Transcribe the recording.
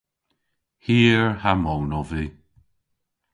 Hir ha moon ov vy.